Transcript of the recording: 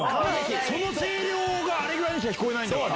その声量があれぐらいにしか聞こえないんだから。